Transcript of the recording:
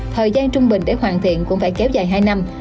thời gian trung bình để hoàn thiện cũng phải kéo dài hai năm